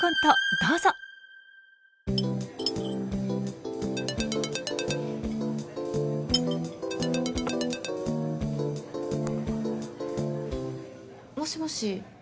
どうぞ！もしもし。